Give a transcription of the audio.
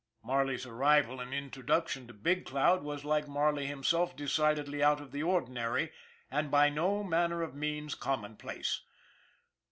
Marley's arrival and introduction to Big Cloud was, like Marley himself, decidedly out of the ordinary and by no manner of means commonplace.